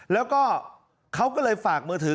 แล้วก็เขาก็เลยฝากมือถือ